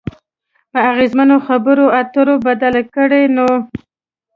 په اغیزمنو خبرو اترو بدله کړئ نو